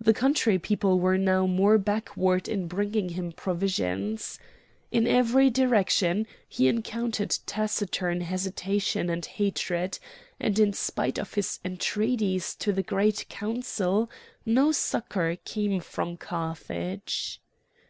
The country people were now more backward in bringing him provisions. In every direction he encountered taciturn hesitation and hatred; and in spite of his entreaties to the Great Council no succour came from Carthage.